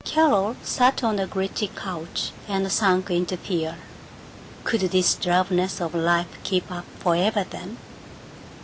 Carol sat on the gritty couch, and sank into fear. Could this drabness of life keep up forever, then?